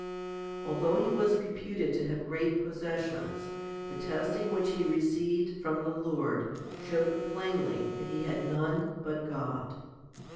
2 Although he was reputed to have great possessions, the testing which he received from the Lord showed plainly that he had none but God.